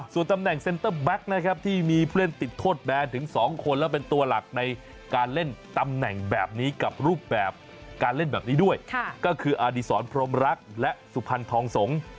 ส่วนตำแหน่งเซ็นเตอร์แบ็คนะครับที่มีผู้เล่นติดโทษแบนถึง๒คนและเป็นตัวหลักในการเล่นตำแหน่งแบบนี้กับรูปแบบการเล่นแบบนี้ด้วยก็คืออดีศรพรมรักและสุพรรณทองสงฆ์